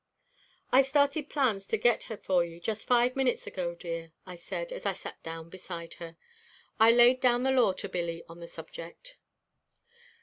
"I started plans to get her for you, just five minutes ago, dear," I said, as I sat down beside her. "I laid down the law to Billy on the subject."